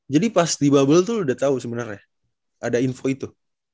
jadi pas di bubble tuh lo udah tau sebenernya ada info itu